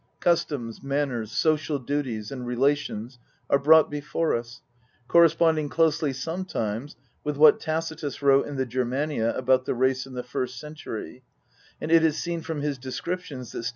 Customs, manners, social duties, and relations are brought before us, corre sponding closely sometimes with what Tacitus wrote in the Germania about the race in the first century, and it is seen from his descriptions that sts.